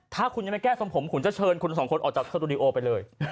ถ้าคุณยังไม่แก้ทรงผมคุณจะเชิญคุณสองคนออกจากสตูดิโอไปเลย